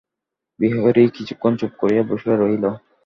বিহারী কিছুক্ষণ চুপ করিয়া বসিয়া রহিল।